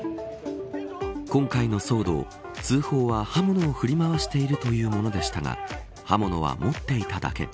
今回の騒動通報は刃物を振り回しているというものでしたが刃物は持っていただけ。